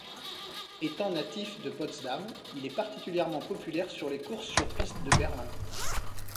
Étant natif de Potsdam, il estparticulièrement populaire sur les courses sur piste de Berlin.